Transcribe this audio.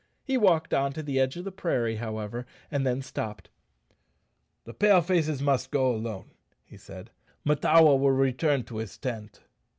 He walked on to the edge of the prairie, however, and then stopped. "The Pale faces must go alone," said he; "Mahtawa will return to his tent."